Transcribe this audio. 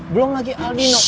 belum lagi aldino